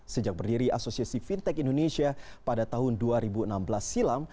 sejak berdiri asosiasi fintech indonesia pada tahun dua ribu enam belas silam